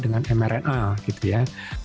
dengan mrna gitu ya